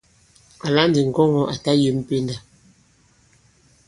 Àla ndi ŋgɔŋɔ̄ à ta yem pendà.